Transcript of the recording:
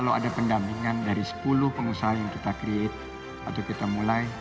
kalau ada pendampingan dari sepuluh pengusaha yang kita create atau kita mulai